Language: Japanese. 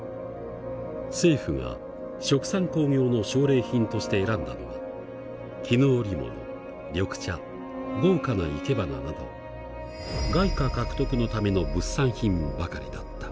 政府が殖産興業の奨励品として選んだのは絹織物緑茶豪華な生け花など外貨獲得のための物産品ばかりだった。